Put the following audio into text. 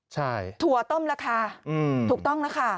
ใช่ถั่วต้มละค่ะถูกต้องละค่ะ